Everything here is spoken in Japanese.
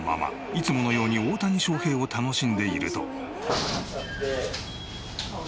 いつものように大谷翔平を楽しんでいると。